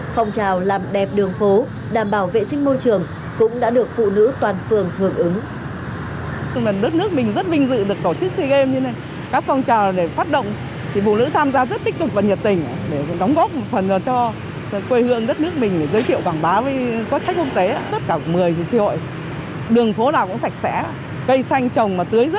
phong trào làm đẹp đường phố đảm bảo vệ sinh môi trường cũng đã được phụ nữ toàn phường hưởng ứng